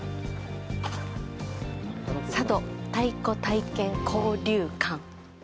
佐渡太鼓体験交流館。